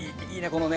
このね